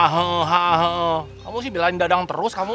hahe kamu sih bilang dadang terus kamu